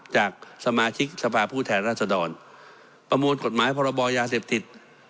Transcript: จากสมาชิกสภาพผู้แทนรัศดรประมวลกฎหมายพรบยาเสพติด